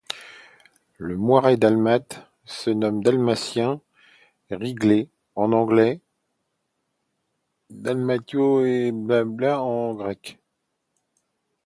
Le Moiré dalmate se nomme Dalmatian Ringlet en anglais et Δαλματική ερέβια en grec.